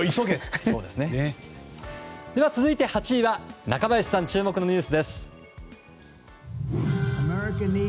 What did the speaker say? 続いて、８位は中林さん注目のニュースです。